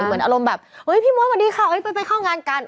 เหมือนอารมณ์แบบเฮ้ยพี่มดวันนี้ค่ะไปเข้างานกัน